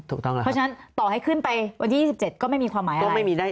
เพราะฉะนั้นต่อให้ขึ้นไปวันที่๒๗ก็ไม่มีความหมายอะไร